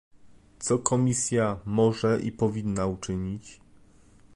Co Komisja może i powinna uczynić?